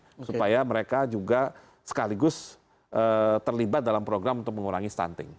jadi kita harus mengingatkan mereka juga sekaligus terlibat dalam program untuk mengurangi stunting